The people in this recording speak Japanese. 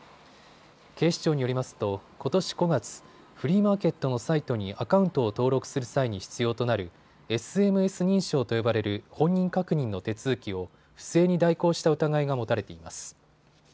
警視庁によりますとことし５月、フリーマーケットのサイトにアカウントを登録する際に必要となるＳＭＳ認証と呼ばれる本人確認の手続きを不正に代行した疑いが持たれています。